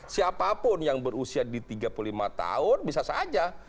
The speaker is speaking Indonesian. siapapun yang berusia di tiga puluh lima tahun bisa saja